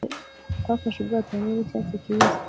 Twafashe ubwato hamwe nicyatsi kibisi